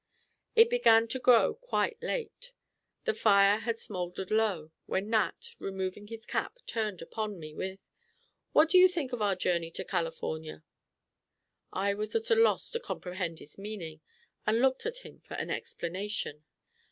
It began to grow quite late, the fire had smoldered low, when Nat, removing his cap, turned upon me with: "What do you think of our journey to California?" I was at a loss to comprehend his meaning, and looked at him for an explanation.